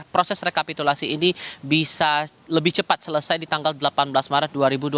proses rekapitulasi ini bisa lebih cepat selesai di tanggal delapan belas maret dua ribu dua puluh